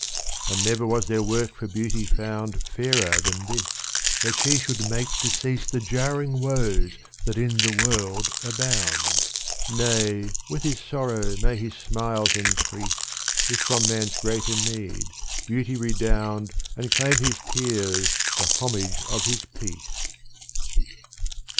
And never was there work for beauty found Fairer than this, that she should make to cease The jarring woes that in the world abound. Nay with his sorrow may his smiles encrease, If from man's greater need beauty redound And claim his tears for homage of his peace.